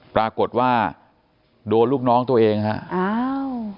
ปรากฏว่าโดนลูกน้องตัวเองฮะอ้าว